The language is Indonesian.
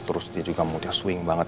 terus dia juga swing banget